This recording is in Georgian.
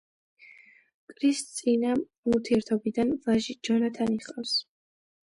კრის წინა ურთიერთობიდან ვაჟი, ჯონათანი ჰყავს.